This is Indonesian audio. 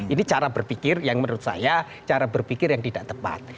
ini cara berpikir yang menurut saya cara berpikir yang tidak tepat